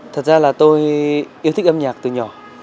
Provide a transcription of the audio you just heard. thật ra là tôi yêu thích âm nhạc từ nhỏ